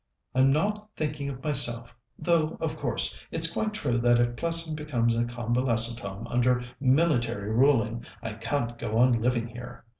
"I'm not thinking of myself though, of course, it's quite true that if Plessing becomes a convalescent home, under military ruling, I can't go on living here.